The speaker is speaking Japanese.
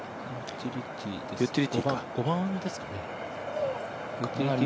５番ですかね。